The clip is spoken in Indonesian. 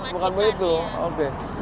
bukan begitu oke